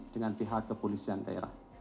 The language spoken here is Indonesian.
dengan pihak kepolisian daerah